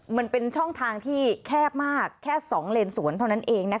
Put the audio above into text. มันเป็นช่องทางที่แคบมากแค่๒เลนสวนเท่านั้นเอง